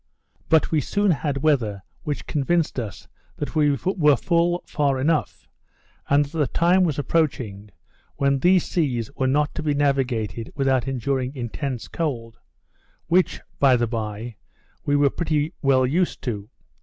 But we soon had weather which convinced us that we were full far enough; and that the time was approaching, when these seas were not to be navigated without enduring intense cold; which, by the bye, we were pretty well used to.